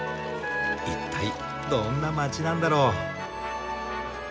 一体どんな街なんだろう？